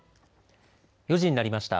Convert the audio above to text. ４時になりました。